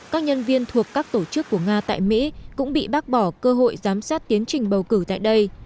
các nhân viên thuộc các tổ chức của nga tại mỹ cũng bị bác bỏ cơ hội giám sát tiến trình bầu cử tại đây